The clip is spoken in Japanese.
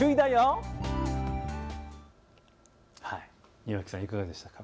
庭木さんいかがでしたか。